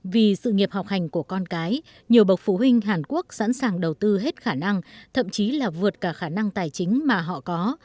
vì sự nghiệp học hành của con cái nhiều bậc phụ huynh hàn quốc sẵn sàng đầu tư hết khả năng thậm chí là vượt cả khả năng tài chính mà họ có